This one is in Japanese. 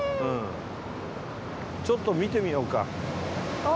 ちょっと見てみようか。